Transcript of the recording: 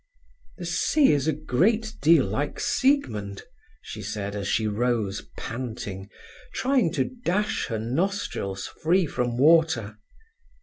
"The sea is a great deal like Siegmund," she said, as she rose panting, trying to dash her nostrils free from water.